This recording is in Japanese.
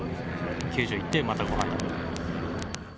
球場行って、またごはん食べて。